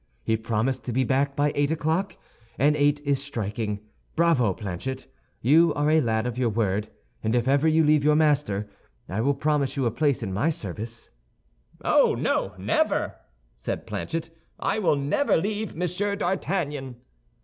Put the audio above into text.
He promised to be back by eight o'clock, and eight is striking. Bravo, Planchet, you are a lad of your word, and if ever you leave your master, I will promise you a place in my service." "Oh, no, never," said Planchet, "I will never leave Monsieur d'Artagnan."